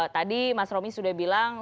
tadi mas romi sudah bilang